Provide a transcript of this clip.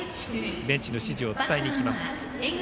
ベンチの指示を伝えにいきます。